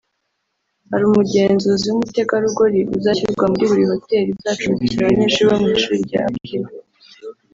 Hari umugenzuzi w’umutegarugori uzashyirwaho muri buri hoteli izacumbikira abanyeshuri bo mu ishuri rya Akilah